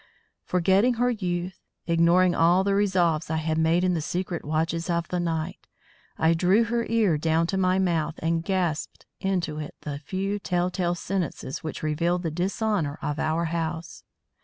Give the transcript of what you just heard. Forgetting her youth, ignoring all the resolves I had made in the secret watches of the night, I drew her ear down to my mouth and gasped into it the few tell tale sentences which revealed the dishonour of our house.